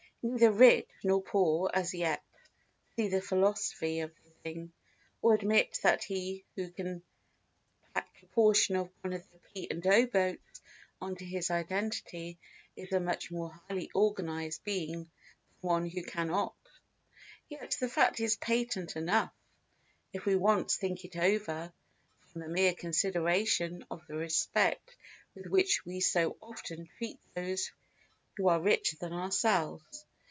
Neither rich nor poor as yet see the philosophy of the thing, or admit that he who can tack a portion of one of the P. & O. boats on to his identity is a much more highly organised being than one who cannot. Yet the fact is patent enough, if we once think it over, from the mere consideration of the respect with which we so often treat those who are richer than ourselves.